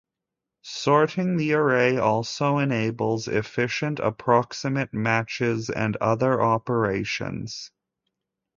Sorting the array also enables efficient approximate matches and other operations.